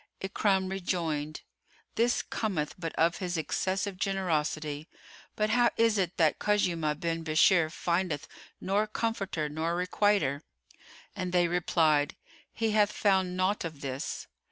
Ikrimah rejoined, "This cometh but of his excessive generosity: but how is it that Khuzaymah bin Bishr findeth nor comforter nor requiter?" And they replied, "He hath found naught of this."